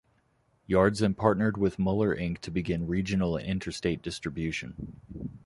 Yards then partnered with Muller, Inc to begin regional and interstate distribution.